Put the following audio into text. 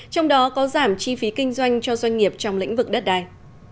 trong đó có giảm chi phí kinh doanh cho doanh nghiệp trong lĩnh vực đất đai